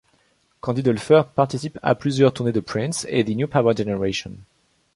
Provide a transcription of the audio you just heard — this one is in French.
Candy Dulfer participe à plusieurs tournées de Prince et The New Power Generation.